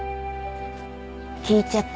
聞いちゃった。